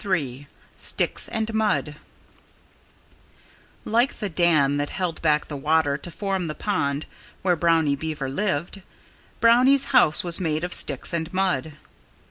III STICKS AND MUD Like the dam that held back the water to form the pond where Brownie Beaver lived, Brownie's house was made of sticks and mud.